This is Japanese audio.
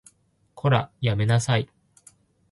こら、やめなさい